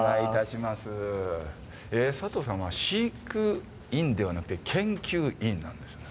佐藤さんは飼育員ではなくて研究員なんですよね。